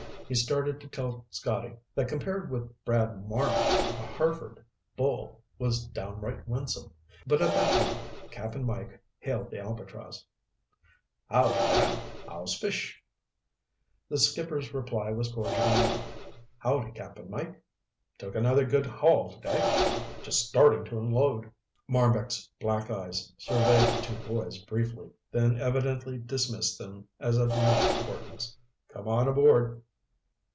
He started to tell Scotty that compared with Brad Marbek a Hereford bull was downright winsome, but at that moment Cap'n Mike hailed the Albatross. "Howdy, Brad. How's fish?" The skipper's reply was cordial enough. "Howdy, Cap'n Mike. Took another good haul today. Just startin' to unload." Marbek's black eyes surveyed the two boys briefly, then evidently dismissed them as of no importance. "Come on aboard."